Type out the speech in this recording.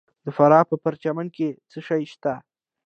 د فراه په پرچمن کې څه شی شته؟